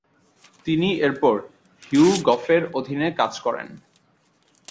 তিনি এরপর হিউ গফের অধীনে কাজ করেন।